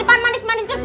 aduh pake nih biarin lagi